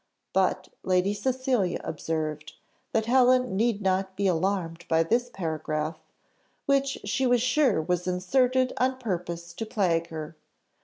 But Lady Cecilia observed, that Helen need not be alarmed by this paragraph, which she was sure was inserted on purpose to plague her.